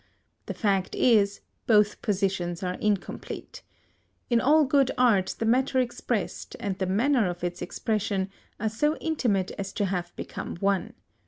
The fact is, both positions are incomplete. In all good art the matter expressed and the manner of its expression are so intimate as to have become one.